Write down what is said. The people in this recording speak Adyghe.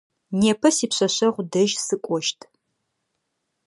Непэ сипшъэшъэгъу дэжь сыкӏощт.